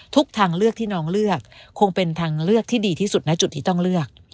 ทางเลือกที่น้องเลือกคงเป็นทางเลือกที่ดีที่สุดนะจุดที่ต้องเลือก